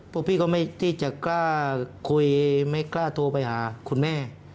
พวกพี่ก็ไม่กล้าทั่วไปหาคุณแม่